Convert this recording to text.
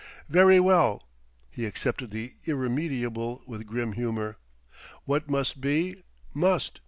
"Very well," he accepted the irremediable with grim humor; "what must be, must.